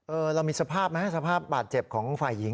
เรามีสภาพไหมสภาพบาดเจ็บของฝ่ายหญิง